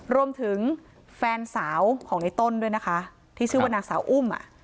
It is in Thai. รวมถึงแฟนสาวของในต้นด้วยนะคะที่ชื่อว่านางสาวอุ้ม